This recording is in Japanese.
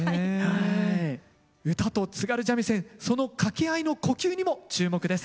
唄と津軽三味線その掛け合いの呼吸にも注目です。